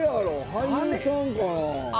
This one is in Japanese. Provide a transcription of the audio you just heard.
俳優さんかな。